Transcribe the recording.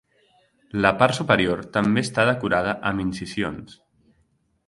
La part superior també està decorada amb incisions.